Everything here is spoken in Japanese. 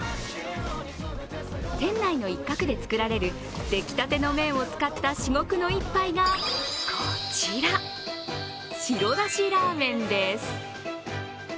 店内の一角で作られる出来たての麺を使った至極の一杯がこちら、白だしラーメンです。